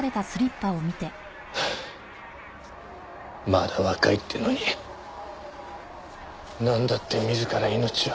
まだ若いってのになんだって自ら命を。